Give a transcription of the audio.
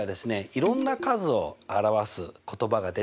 いろんな数を表す言葉が出てきますね。